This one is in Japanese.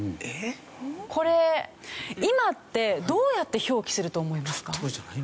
これ今ってどうやって表記すると思いますか？